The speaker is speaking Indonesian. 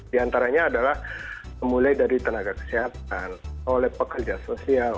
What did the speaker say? di antaranya adalah mulai dari tenaga kesehatan oleh pekerja sosial